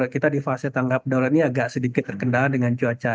kita di fase tanggap darurat ini agak sedikit terkendala dengan cuaca